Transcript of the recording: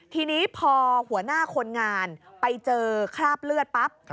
ทีนี้พอหัวหน้าคนงานไปเจอคราบเลือดปั๊บ